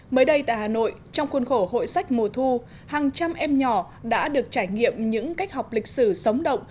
mới đây tại hà nội trong khuôn khổ hội sách mùa thu hàng trăm em nhỏ đã được trải nghiệm những cách học lịch sử sống động